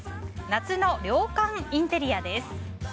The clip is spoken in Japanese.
夏の涼感インテリアです。